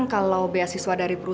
pokoknya peluk gw